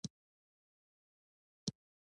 دا هغه بختور مقام دی.